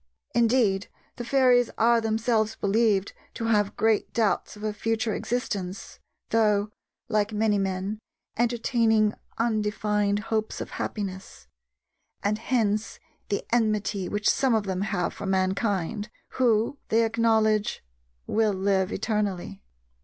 Indeed, the fairies are themselves believed to have great doubts of a future existence, though, like many men, entertaining undefined hopes of happiness; and hence the enmity which some of them have for mankind, who, they acknowledge, will live eternally.